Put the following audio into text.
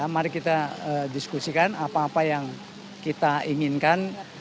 mari kita diskusikan apa apa yang kita inginkan